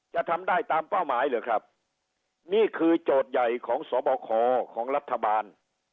จะทำได้ตามเป้าหมายเหรอครับนี่คือโจทย์ใหญ่ของสบคของรัฐบาล